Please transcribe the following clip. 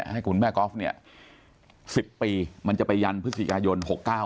ให้คุณแม่กอล์ฟเนี่ย๑๐ปีมันจะไปยันพฤศจิกายน๖๙